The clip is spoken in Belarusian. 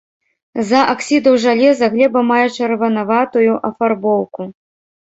З-за аксідаў жалеза глеба мае чырванаватую афарбоўку.